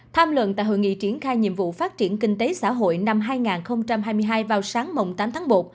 tham luận tại hội nghị triển khai nhiệm vụ phát triển kinh tế xã hội năm hai nghìn hai mươi hai vào sáng tám tháng một